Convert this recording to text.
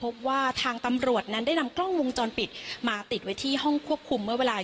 พบว่าทางตำรวจนั้นได้นำกล้องวงจรปิดมาติดไว้ที่ห้องควบคุมเมื่อเวลา